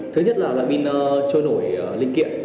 thứ nhất là loại pin chôi nổi linh kiện